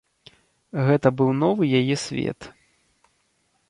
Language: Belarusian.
Гэта быў новы яе свет.